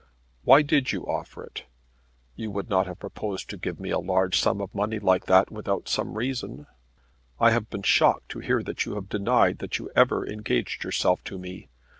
Why did you offer it? You would not have proposed to give me a large sum of money like that without some reason. I have been shocked to hear that you have denied that you ever engaged yourself to me.